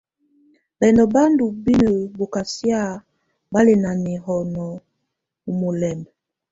Bəndú ba ndɔ binə bɔkasɛa ba lɛ́ na nɛhɔ́nɔ u mɔlɛmb.